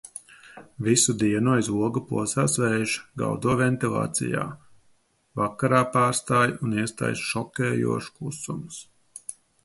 Visu dienu aiz loga plosās vējš, gaudo ventilācijā. Vakarā pārstāj un iestājas šokējošs klusums.